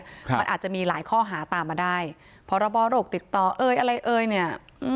ครับมันอาจจะมีหลายข้อหาตามมาได้พรบโรคติดต่อเอ่ยอะไรเอ่ยเนี่ยอืม